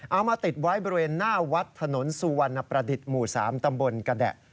เอามาติดไว้บริเวณหน้าวัดถนนสุวรรณประดิษฐ์หมู่๓ตำบลกระแดะ